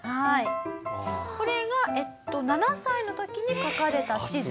これが７歳の時に描かれた地図。